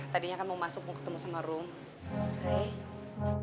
tadinya kan mau masuk mau ketemu sama room